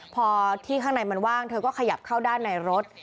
พอที่ข้างในมันว่างเธอก็ขยับเข้าด้านในรถ